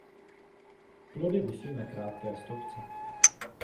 Plody visí na krátké stopce.